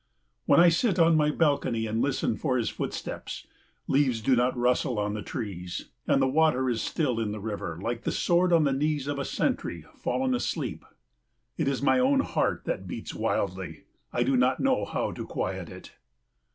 When I sit on my balcony and listen for his footsteps, leaves do not rustle on the trees, and the water is still in the river like the sword on the knees of a sentry fallen asleep. It is my own heart that beats wildly I do not know how to quiet it.